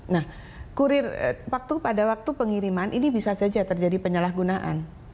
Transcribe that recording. nah kurir waktu pada waktu pengiriman ini bisa saja terjadi penyalahgunaan